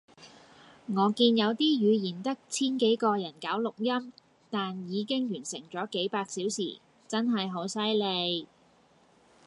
我見有啲語言得千幾個人搞錄音，但已經完成咗幾百小時，真係好犀利